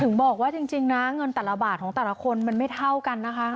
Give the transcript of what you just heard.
ถึงบอกว่าจริงนะเงินแต่ละบาทของแต่ละคนมันไม่เท่ากันนะคะ